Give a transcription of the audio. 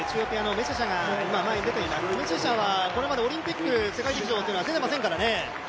メシェシャはこれまでオリンピック世界陸上というのは出てませんからね。